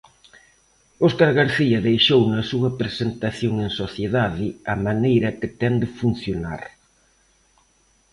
Óscar García deixou na súa presentación en sociedade a maneira que ten de funcionar.